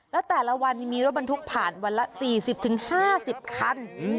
แล้วแต่ละวันมีรถบรรทุกผ่านวันละ๔๐๕๐คัน